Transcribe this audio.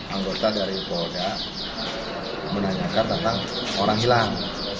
anggota dari polda menanyakan tentang orang hilang